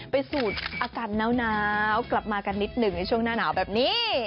สูดอากาศน้าวกลับมากันนิดหนึ่งในช่วงหน้าหนาวแบบนี้